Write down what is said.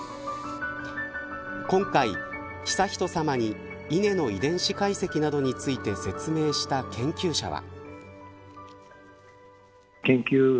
今回、悠仁さまに稲の遺伝子解析などについて説明した研究者は。